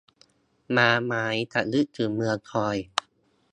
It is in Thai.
ม้าไม้ จะนึกถึงเมืองทรอย